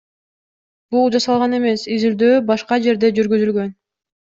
Бул жасалган эмес, изилдөө башка жерде жүргүзүлгөн.